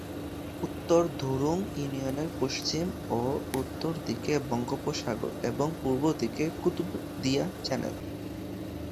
উত্তর ধুরুং ইউনিয়নের পশ্চিম ও উত্তর দিকে বঙ্গোপসাগর এবং পূর্ব দিকে কুতুবদিয়া চ্যানেল।